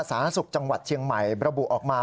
สาธารณสุขจังหวัดเชียงใหม่ระบุออกมา